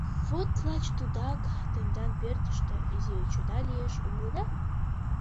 Вот, лач тудак тендан пӧртыштӧ «изи йочада» лиеш, умыледа?